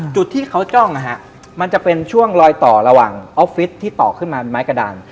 จุดที่เขาจ้องนะฮะมันจะเป็นช่วงลอยต่อระหว่างออฟฟิศที่ต่อขึ้นมาเป็นไม้กระดาน